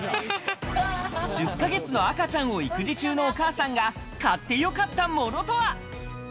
１０ヶ月の赤ちゃんを育児中のお母さんが買ってよかったものとは？